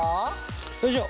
よいしょ。